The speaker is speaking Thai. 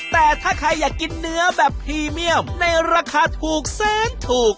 แต่ถ้าใครอยากกินเนื้อแบบพรีเมียมในราคาถูกแสนถูก